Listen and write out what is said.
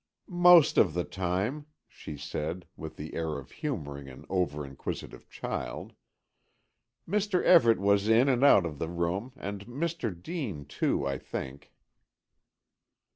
"Most of the time," she said, with the air of humouring an over inquisitive child. "Mr. Everett was in and out of the room, and Mr. Dean, too, I think."